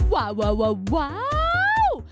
ว้าวว้าวว้าว